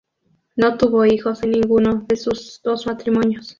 No tuvo hijos en ninguno de sus dos matrimonios.